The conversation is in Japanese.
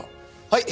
はい。